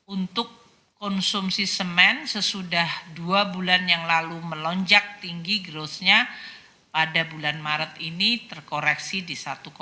untuk konsumsi semen sesudah dua bulan yang lalu melonjak tinggi growth nya pada bulan maret ini terkoreksi di satu dua